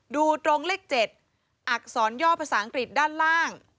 ดูตรงเลข๗อักษรย่อภาษาอังกฤษด้านล่าง